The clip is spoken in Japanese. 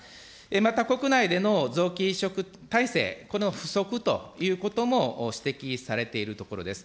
また、国内での臓器移植体制、この不足ということも指摘されているところです。